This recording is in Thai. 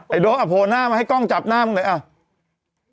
ไอ้โดเอาโผ่นหน้ามาให้กล้องจับหน้ามึงเลย